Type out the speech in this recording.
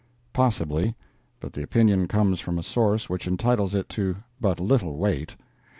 Possibly—but the opinion comes from a source which entitles it to but little weight.